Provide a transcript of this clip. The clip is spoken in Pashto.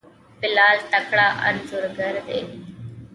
بلال تکړه انځورګر دی.